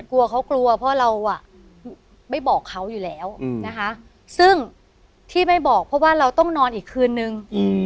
กลัวเขากลัวเพราะเราไม่บอกเขาอยู่แล้วนะคะซึ่งที่ไม่บอกเพราะว่าเราต้องนอนอีกคืนนึง